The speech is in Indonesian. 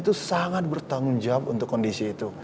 mbak desy itu sangat bertanggung jawab untuk kondisi itu